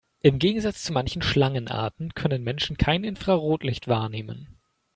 Im Gegensatz zu manchen Schlangenarten können Menschen kein Infrarotlicht wahrnehmen.